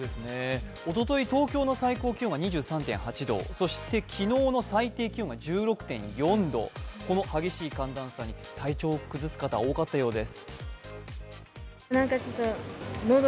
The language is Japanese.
おととい、東京の最高気温とそして昨日の最低気温が１６．４度この激しい寒暖差に体調を崩す方が多かったようです。